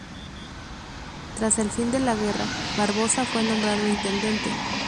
Tras el fin de la guerra, Barbosa fue nombrado Intendente.